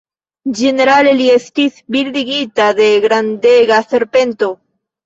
Ĝenerale li estis bildigita de grandega serpento.